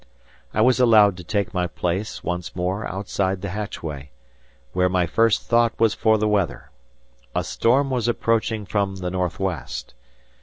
I was allowed to take my place once more outside the hatchway; where my first thought was for the weather. A storm was approaching from the northwest.